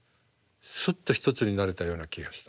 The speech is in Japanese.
すっと一つになれたような気がした。